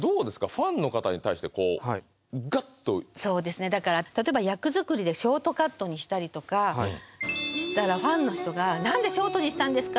ファンの方に対してこうガッとそうですねだから例えば役作りでショートカットにしたりとかしたらファンの人が「何でショートにしたんですか